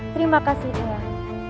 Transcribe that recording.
terima kasih ayah